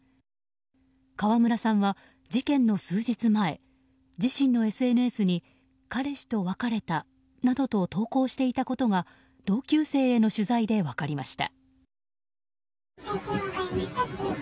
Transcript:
川村さんは事件の数日前自身のＳＮＳに彼氏と別れたなどと投稿していたことが同級生への取材で分かりました。